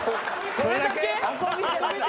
それだけ？